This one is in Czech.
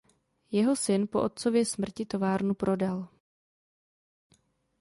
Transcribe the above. Jeho syn po otcově smrti továrnu prodal.